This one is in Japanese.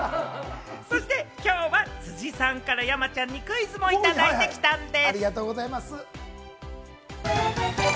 きょうは辻さんから山ちゃんにクイズもいただいてきたんです。